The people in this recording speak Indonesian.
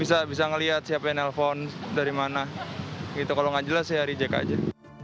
bisa bisa melihat siapa yang nelfon dari mana gitu kalau nggak jelas ya reject aja